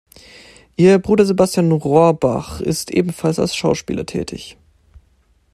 Ihr Bruder Sebastian Rohrbach ist ebenfalls als Schauspieler tätig.